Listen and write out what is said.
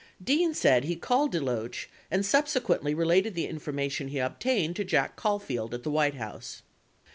90 Dean said he called DeLoaeh and subsequently related the information he obtained to J ack Caulfield at the White House.